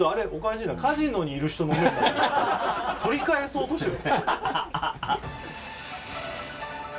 取り返そうとしてる。